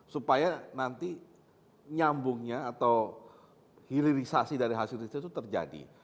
supaya nanti nyambungnya atau hilirisasi dari hasil riset itu terjadi